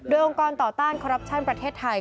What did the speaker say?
โดยองค์กรต่อต้านคอรัปชั่นประเทศไทย